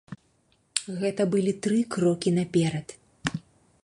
Гэта былі тры крокі наперад.